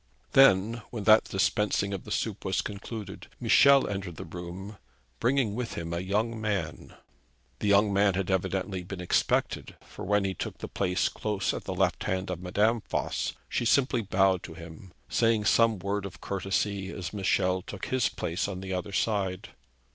Then, when that dispensing of the soup was concluded, Michel entered the room bringing with him a young man. The young man had evidently been expected; for, when he took the place close at the left hand of Madame Voss, she simply bowed to him, saying some word of courtesy as Michel took his place on the other side.